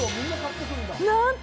なんと！